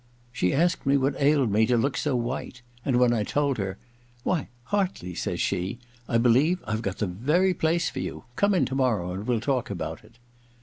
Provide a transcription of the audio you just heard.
She asked me what ailed me to look so white, and when I told her, * Why, Hartley,' says she, ♦ I believe I've got the very place for you. Come in to morrow and we'll talk about it.'